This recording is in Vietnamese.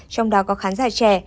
trong đó có khán giả trẻ